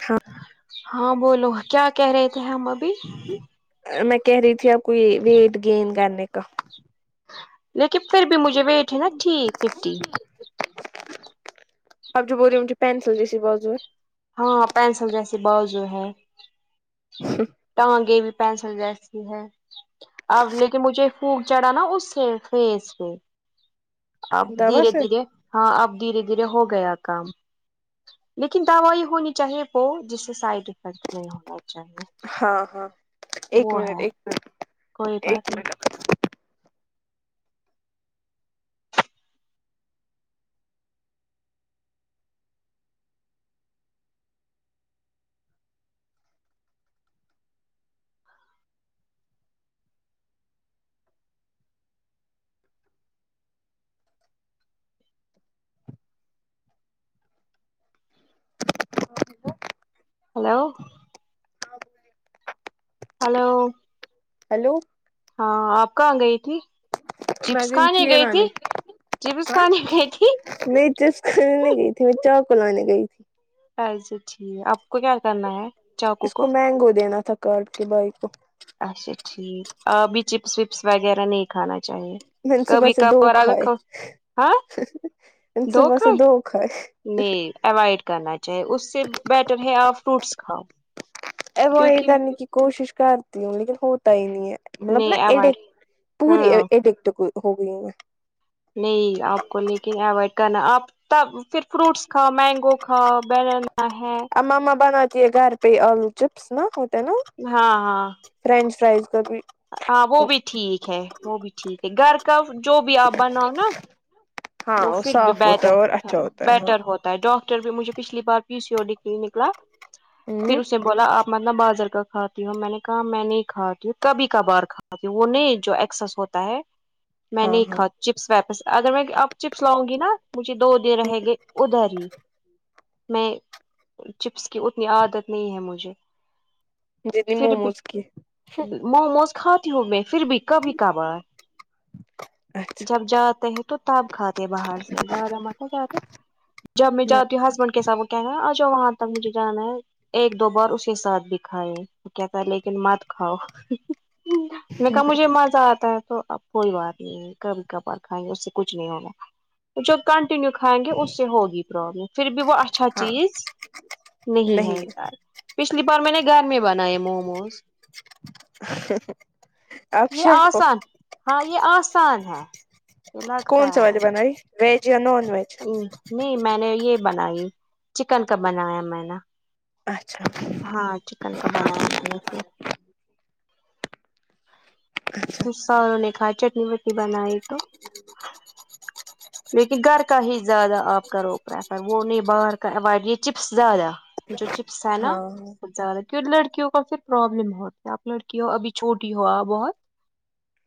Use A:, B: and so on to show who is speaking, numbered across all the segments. A: [unintelligible]
B: ہاں بولو کیا کہہ رہے تھے ہم ابھی
A: میں کہہ رہی تھی آپ کو یہ ویٹ گین کرنے کا
B: لیکن پھر بھی مجھےویٹ ہے ففٹی ففٹی
A: اب جو بول ریو انکی پینسل جسی بزو
B: ہاں پینسل جیسی بازو ہے ٹانگے بھی پینسل جیسی ہے اب لیکن مجھے پھک چڑھا نا اس سے فیس پہ اب
A: ہے دوا
B: دھیرے
A: سے
B: دھیرے ہاں اب دھیرے دھیرے ہو گیا کام لیکن دوائی ہونی چاہیے وہ جس سے سائڈ افیکٹ نہیں ہونا چاہیے
A: ہاں ہاں ایک
B: وہ
A: منٹ
B: ہے
A: ایک منٹ
B: کوئی بات
A: ایک
B: نہیں
A: منٹ [unintelligible]
B: ہلو ہلو
A: ہیلو
B: ہاں آپ کہاں گئی تھی
A: میں
B: چپس کہانے
A: یہ
B: گئی
A: لانے
B: تھی چپس کہانے گئی تھی
A: می چپس کھانے نہی گئی تھی میں چاو کو لانے گئی تھی
B: اچھا ٹھیک ہے آپ کو کیا کرنا ہے
A: اس کو مینگو دینا تھا کارڈ کے بھائی کو
B: اچھا ٹھیک آپ بھی چپس وپس وغیرہ نہیں کھانا چاہیے
A: می صبس
B: کبھی
A: سے دو
B: کبھار اگر
A: کھائے
B: کھاؤ ہاں
A: م صبحس سے دو کھائے
B: نہیں اوائڈ کرنا چاہیے اس سے بیٹر ہے آپ فروٹس کھاؤ
A: اوائڈ
B: کیونکہ
A: کرنے کی کوشش کرتی ہوں لیکن ہوتا ہی نہیں ہے مطلب نا
B: نہیں اوائڈ
A: ایڈکٹ پوری
B: ہاں
A: ایڈکٹ ہو گئی ہیں
B: نہیں آپ کو لیکن اوائڈ کرناا آپ پھر فروٹس کھا مینگو کھا برانا ہے
A: آ ماما بناتیے گھر پہ آلو چپس نہا ہوتے نا
B: ہاں ہاں
A: فرینچ فرائز کا بھی
B: ہاں وہ
A: تو
B: بھی ٹھیک ہے وہ بھی ٹھیک ہے گھر کا جو بھی آپ بناؤ نا
A: ہاں
B: وہ پھر بھی
A: صاف ہوتا
B: بیٹر
A: ہے اور اچھا ہوتا ہے ہاں
B: بیٹر ہوتا ڈاکٹر بھی مجھے پچھلی بار پیو سی اوڈو ڈگری نکلا پھر
A: ہوں
B: اس نے بولا آپ مطلب بازر کا کھاتی ہوں میں نے کہا میں نہیں کھاتی ہوں کبھی کبھار کھ وہ نہیں جو ایکسس ہوتا ہے میں
A: ہاں
B: نہیں
A: ہاں
B: کھا چپس ویپس اگر میں اب چپس لاؤں گی نا مجھے دو دن رہے گئے ادھر ہی میں چپس کی اتنی عادت نہیں ہے مجھے
A: جتنی
B: پھر بھی
A: موموز کی
B: موموز کھاتی ہوں میں پھر بھی کبھی کبھار
A: اچھا
B: جب جاتے ہیں تو تب کھاتے باہر سے زیادہ متاتے جب میں
A: نہ
B: ج ہسبینڈ کے سھ کہ گا آج جو وہاں تک مجھے جانا ہے ایک دو بار اس کے ساتھ کائے تو کیا تھا لیکن مت کھاؤ میں کہا مجھے مزہ آتا ہے تو اب کوئی بات نہیں ہے کبھی کبار کھائیں گے اس سے کچھ کچھ نہیں ہونا جو کنٹینیو کھائیں گے اس سے ہوگی پرابلم پھر بھی وہ اچھا
A: ہاں
B: چیز نہیں ہے یار پچھلی بار میں نے گھر میں بنایا موموز
A: آپ
B: یہ
A: شیف ہو
B: آسان ہاں یہ آسان ہے الگ
A: س والال بناری ویج یا نان ویج
B: نہیں میں نے یہ بنائی چکن کا بنایا میں نے
A: اچھا
B: ہاں چکن کا بنایا میں نے
A: اچھا
B: تو سوں نے کہا چٹنی وٹی بنائی تو لیکن گھر کا ہی زیادہ آپ کرو پریفر وہ نہیں باہر کا اوائڈ نہیں چپس زیادہ جو چپس ہے نا
A: ہاں
B: زیاہ کی لڑکیوں کا پھر پروابلم بہت ہے آپ لڑکی ہو ابھی چھوٹی ہو بہت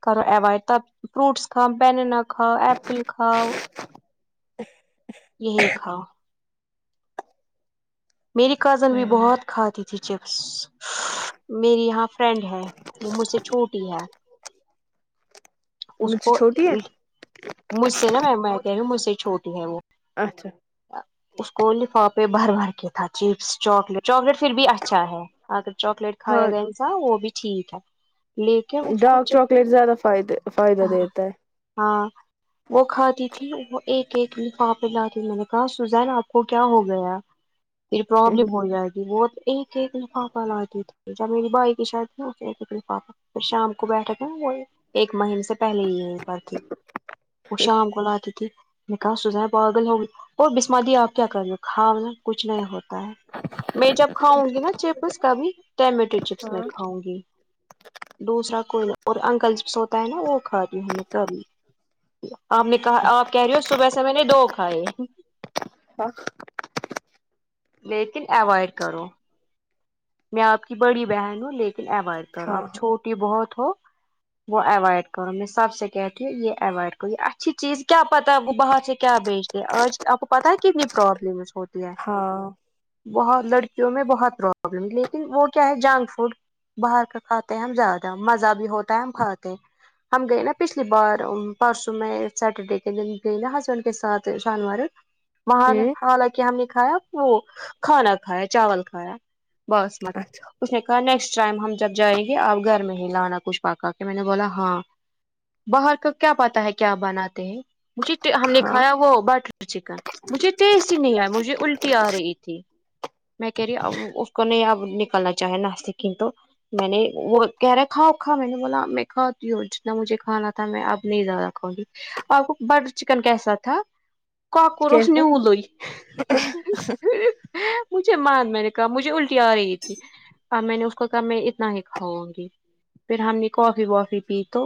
B: کرو اوائڈ تب فرٹس کاؤ بیننا کا ایپل کھا یہی ہاؤ میری کزن بھی
A: ہاں
B: بہت کھاتی تھی چپس میری یہاں فرینڈ ہے وہ مجھ سے چھوٹی ہے اس
A: مجھ سے
B: کو
A: چھوٹی ہے
B: مجھ سے نا میں میں کہہ رہی ہوں مجھ سے چھوٹی ہے وہ
A: اچھا
B: اس کو لفافے بھر بھر کیا تھا چپس چاکلیٹ چاکلیٹ پھر بھی اچھا ہے آگر چاکلیٹ
A: ہاں
B: کھایا گیا انسا وہ بھی ٹھیک ہے لیکن اس کو
A: ڈارک
B: چپ
A: چاکلیٹ زیادہ فد فائدہ دیتا ہے
B: ہاں وہ کھاتی تھی وہ ایک ایک لفا پہ لاتی میں نے کہا سزان آپ کو کیا ہو گیا پھر پرابلم ہو جائے گی وہ ایک ایکخو پال آتی تی جب میری بھائی کی شادیھینےفاپ پھر شام کو بیٹھے تھے وہ ایک مہم سے سے پہلے ہی یہ پر تھی وہ شام کو لاتی تھی میں کہا سوزائےب اگل ہوگی اور بسم دی آپ کیا کر رہے کھا کچھ نہیں ہوتا ہے میں جب کھاؤں گی نا چپ اس کا بھی ٹومیٹو چپس میں
A: ہاں
B: کھاؤں گی دوسرا کوئی اور انکل جس ہوتا ہے نا وہ کھای ہم کبھی آپ نے کہا آپ کہہ رہی ہو صبح سے میں نے دو کھائے
A: ہ
B: لیکن اوائڈ کرو میں آپ کی بڑی بہن ہوں لیکن اوائڈ کروں
A: ہاں
B: آپ چھوٹی بہت ہو وہا ایوائڈ کرو میں حساب سے کہاتو یہ اوائڈ کرو یہ اچھی چیز کیا پتہ وہ بار سے کیا بیچ آج آپ کو پتا ہے کتنی پروابلمس ہوتی ہے
A: ہاں
B: بہت لڑکیوں میں بہت پرابلم لیکن وہ کیا ہے جنک فوڈ باہر کا کھاتے ہیں ہم زیادہ مزہ بھی ہوتا ہے ہم کھاتے ہم گئے نا پچھلی بار پرسوں میں سیٹرڈے کے دن گئی نا ہسبینڈ کے ساتھ شانوار مہان
A: ہوں
B: حالانکہ ہم نے کھایا وہ کھانا کھایا چاول کھایا بس مت
A: اچھا
B: اس نے کہا نیکسٹ ٹائم ہم جب جائیں گے آپ گھر میں ہی لانا کچھ پکا کے میں نے بولا ہاں باہر کا کیا پات ہے کیا بناتے ہیں مجھے ہم نے
A: ہاں
B: کھایا وہ بٹ چکن مجھے ٹیسٹی نہیں آیا مجھے الٹی آ رہی تھی میں کہہ رہی کو نہیں اب نکالنا چاہے نا کا تو میں نے وہ کہہ رہا کھاؤ کھا میں نے بولا میں کھاتی ہوں جتنا مجھے کھانا تھا میں اب نہیں زیادہ کھاؤ گی آپ کو بٹر چکن کیسا تھا کاکرچ اس
A: کیسا
B: نیول مجھے مار میں نے کہا مجھے الٹ آ رہی تھی میں نے اس کو کہا میں اتنا ہی کھاؤں گی پھر ہم نے کافی وافی پی تو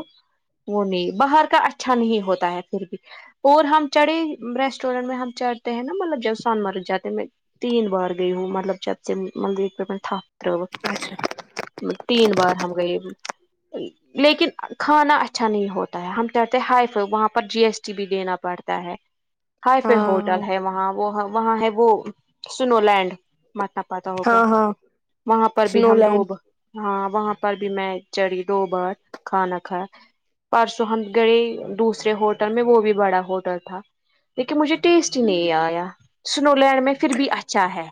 B: وہ نہیں باہر کا اچھا نہیں ہوتا ہے پھر بھی اور ہم چڑھے ریسٹورینٹ میں ہم چڑھتے ہیں نا مطلب جب سون مر جاتے میں تین بار گی ہو مطلب چپ سے مطلب بہت
A: اچھا
B: تین بار ہم گئے لیکن کھانا اچھا نہیں ہوتا ہم کہتے ہیں ہائی فائی وہاں پر جی ایس ٹی بھی دینا پڑتا ہے ہائی فے ہوٹل
A: ہاں
B: ہے وہاں وہ وہاں ہے وہ سن لینڈ مے پتا ہوگا
A: ہاں ہاں
B: وہاں پر بھی
A: سنو
B: ہم
A: لینڈ
B: دوبا ہاں وہاں پر بھی میں چڑھی دو بار کھانا کھا پرسو ہمند گڑے دوسرے ہوٹل میں وہ بھی بڑا ہوٹل تھا دیکھیے مجھے ٹیسٹ نہیں آیا سن لینڈ میں پھر بھی اچھا ہے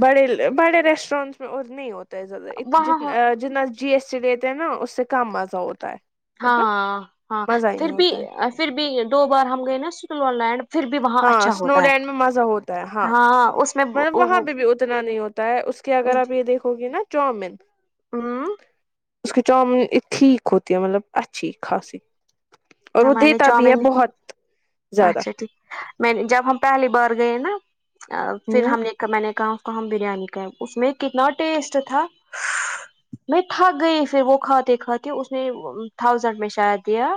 A: بڑے بڑے ریسٹورینٹس میں اور نہیں ہوتا ہے زیادہ
B: وہاں
A: جنا جتنا جی ایس ٹی لیتے ہیں نا اس سے کم مزہ ہوتا ہے مطلب
B: ہاں ہاں
A: مزہ ہی نہیں
B: پھر بھی
A: ہوتا ہے
B: پھر بھی دو بار ہم گئے نا سکلو لڈ پھر بھی وہاں
A: ہاں
B: اچھا
A: اسنو
B: ہوتا ہے
A: لینڈ میں مزہ ہوتا ہے
B: ہاں اس میں
A: وہاں
B: ہوں
A: پہ بھی اتنا نہیں ہوتا ہے اس کے اگر آپ یہ دیکھو گے نا چاؤمین
B: ہم
A: اس کی چامن ٹھیک ہوتی ہے مطلب اچھی اچھی خاصی اور
B: نہ
A: وہ
B: میں نے
A: دیتا بھی ہے
B: چاؤمین
A: بہت زیادہ
B: اچھا میں جب ہم پہلی بار گئے نا پھر
A: ہوں
B: ہم نے میں نے کہا اس کو ہم بریانی کا اس میں کتنا ٹیسٹ تھا میں تھک گئی پھر وہ کھاتے کھاتے اس نے تھاؤزینڈ میں شاید دیا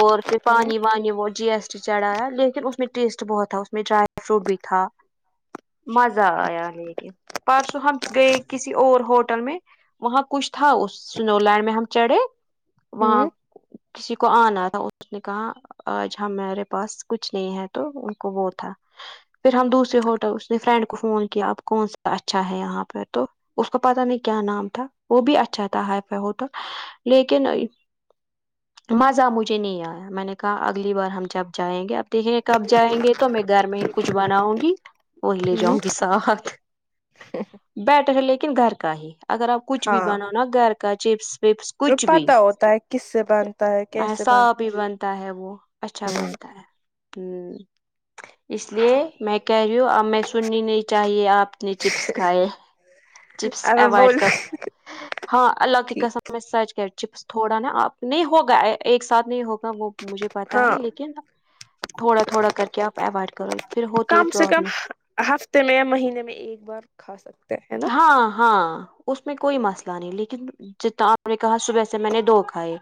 B: اور پھر پانی وانی بہت جی ایس چڑھایا لیکن اس میں ٹیسٹ بہت تھا اس میں ڈرائی فروٹ بھی تھا مزہ آیا لیکن پرسوں ہم گیئے کسی اور ہوٹل میں وہاں کچھ تھا اس سنولینڈ میں ہم چڑھے وہاں
A: ہوں
B: کسی کو آنا اس نے کہا آج ہمیرے پاس کچھ نہیں ہے تو ان کو وہ تھا پھر ہم دوسے ہوٹل اس نے فرینڈ کو فون کیا اب کون سا اچھا ہے یہاں پہ تو اس کو پتا نہیں کیا نام تھا وہ بھی اچھا تھا ہائی فائی ہوٹل لیکن مزہ مجھے نہیں آیا میں نے کہا اگلی بار ہم جب جائیں گے اب دیکھیں کب جائیں گے تو میں گھر میں کچھ بناؤں گی وہی لے
A: ہوں
B: جاؤں گی ساتھ بیٹر ہے لیکن گھر کا ہی اگر آپ کچھ بھی
A: ہاں
B: بناو نا گھر کا چپس وپس کچھ بھی
A: پتا ہوتا ہے کس سے بنتا ہے کیسے
B: صاف ہی بنتا ہے وہ اچھا بنتا ہے ہ اس لیے میں کہہ رہی ہوں اب میں سننی نہیں چاہیے آپ اپنی چپس کھائے چپس
A: اب
B: اوائڈ
A: بول
B: کر ہاں اللہ کی
A: ٹھیک
B: قسم میں سج گئے چپس تھوڑا نا آپ نہیں ہوگا ایک ساتھ نہیں ہوگا وہ مجھے پتا ہے
A: ہاں
B: لیکن تھوڑا تھوڑا کر کے آپ اوائڈ کرو پھر ہوتی ہے
A: کم سے کم
B: پروابلم
A: ہفتے میں یا مہینے میں ایک بار کھا سکتے ہیں نا
B: ہاں ہاں اس میں کوئی مسئلہ نہیں لیکن جتا انوں نے کہا صبح سے میں نے دو کھائے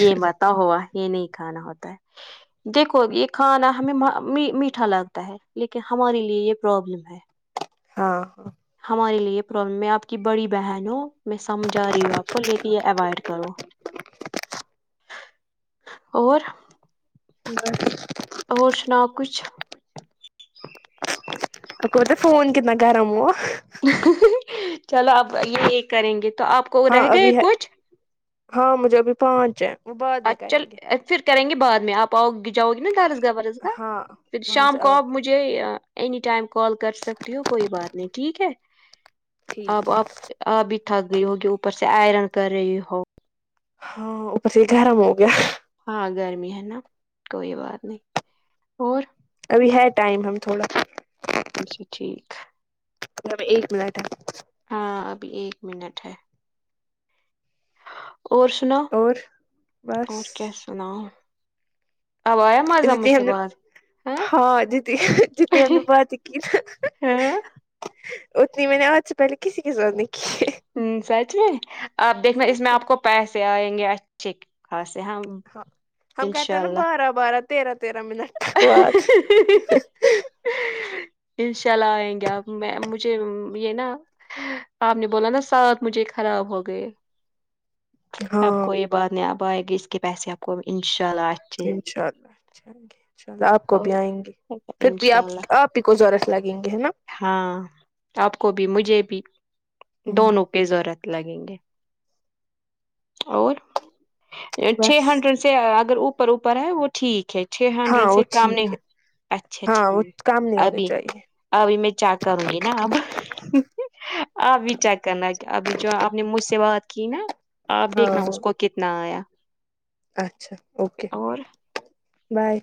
B: یہ بتا ہوا یہ نہیں کھانا ہوتا ہے دیکھو یہ کھانا ہمیں میٹھا لگتا ہے لیکن ہمارے لیے یہ پرابلم ہے
A: ہاں
B: ہمارے لیے یہ پرابلم میں آپ کی بڑی بہن ہو میں سمجھا رہی ہوں آپ کو لیکن یہ اوائڈ کرو اور
A: [unintelligible]
B: اور سناؤ کچھ
A: آ کوتے فون کتنا کرم ہوا
B: چلو اب یہ ایک کریں گے تو آپ کو
A: ہاں
B: رہ گئے
A: ابھی ہے
B: کچھ
A: ہاں مجھے ابھی پہنچ جائے
B: ا چل پھر کریں گے بعد میں آپ آؤ گ جاؤ گے نا دارس گو
A: ہاں
B: پھر
A: وہاں
B: شام
A: سے
B: کو
A: آ
B: آپ
A: کے
B: مجھے مجے اینی ٹائم کال کر سکتی ہو کوئی بات نہیں ٹھیک ہے
A: ٹھیک
B: اب
A: ہے
B: آپ آب بھی تھک گئی ہوگی اوپر سے آئرن کر رہی ہو
A: ہاں اپر سے گرم ہو گیا
B: ہاں گرمی ہے نا کوئی بات نہیں اور
A: ابھی ہے ٹائم ہم تھوڑا
B: اچھا ٹھیک
A: ایک مینٹ
B: ہاں ابھی ایک منٹ ہے اور سنا
A: اور بس
B: اور کیا سناو آواز مزہ مجھ
A: جتنی
B: سے
A: ہم نے
B: بعد
A: ہاں جدی جتنی ہم نے بات کی
B: ہاں
A: اتنی میں نے آج سے پہلے کسی کے ساتھ نہیں کی ہے
B: ہ سچ میں آپ دیکھنا اس میں
A: سچ
B: آپ کو پیسے آئیں گے اچھے خاصے ہاں
A: ہاں ہم کہتے ہیں نا بارہ بارہ تیرہ تیرہ منٹ بعد
B: انشاء اللہ آئیں گے آپ میں مجھے یہ نا آپ نے بولا نا ساتھ مجھے خراب ہو گئے
A: ہاں
B: آپ کو یہ بات نہیں اب آئے گی اس کے پیسے آپ کو انشاء اللہ اچھے
A: ان شاء اللہ ان شاء اللہ آپ کو
B: اور
A: بھی آئیں گے پھر بھی
B: انشاء
A: آپ
B: اللہ
A: آپ ہی کو ورت لگیں گے ہے نا
B: ہاں آپ کو بھی مجھے بھی دونوں ضرورت لگیں گے اور چھ
A: بس
B: ہنڈریڈ سے اگر اوپر اوپر ہے وہ ٹھیک ہے چھ
A: ہاں
B: ہنڈریڈ
A: وہ
B: سے کام نہیں
A: ٹھیک
B: ہو
A: ہے
B: اچھا
A: ہاں وہ
B: ٹھیک
A: کام نہیں ہونے
B: ابھی
A: چاہیے
B: ابھی میں چاک کروں گی نا اب اب بھی چیک کرنا کہ ابھی جو آپ نے مجھ سے بات کی نا آپ
A: ہاں
B: دیکھنا اس
A: ہاں
B: کو کتنا آیا
A: اچھا اوکے
B: اور
A: بائے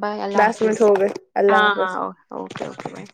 B: بائے اللہ
A: دس منٹ
B: حافظ
A: ہو گئے اللہ
B: ہاں
A: حافظ
B: ہاں اوکے اوکے بائےا